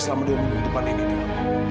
selama dua minggu ke depan ini dio